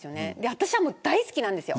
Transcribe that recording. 私は大好きなんです。